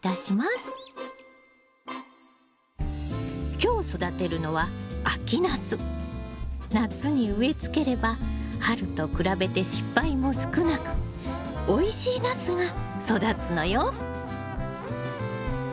今日育てるのは夏に植えつければ春と比べて失敗も少なくおいしいナスが育つのよ。